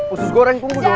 usus goreng punggu dong